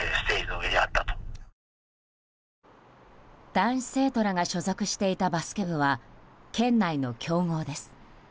男子生徒らが所属していたバスケ部は県内の強豪です。